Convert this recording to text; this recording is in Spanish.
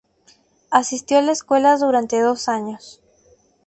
Asistió a la escuela durante dos años.